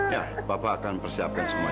ya papa akan persiapkan semuanya ya